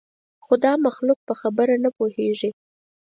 خو دا مخلوق په خبره نه پوهېږي.